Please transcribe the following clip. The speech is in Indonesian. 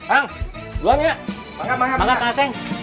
anggulnya banget banget banget